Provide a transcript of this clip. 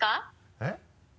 えっ？